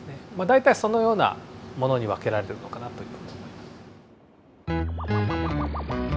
大体そのようなものに分けられるのかなというふうに思います。